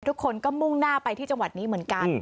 ทุกคนก็มุ่งหน้าไปที่จังหวัดนี้เหมือนกัน